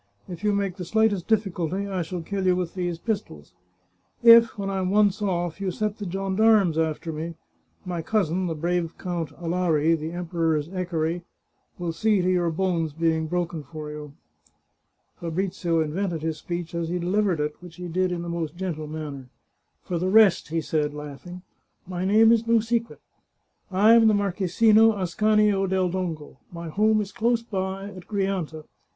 If you make the slightest difficulty I shall kill you with these pis tols. If, when I am once oflF, you set the gendarmes after me, my cousin, the brave Count Alari, the Emperor's equerry, will see to your bones being broken for you." Fabrizio invented his speech as he delivered it, which i8i The Chartreuse of Parma he did in the most gentle manner. " For the rest," he said, laughing, " my name is no secret. I am the Marchesino Ascanio del Dongo. My home is close by, at Grianta.